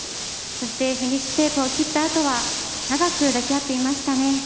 そして、フィニッシュテープを切ったあとは長く抱き合っていましたね。